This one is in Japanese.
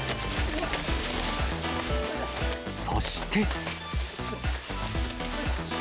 そして。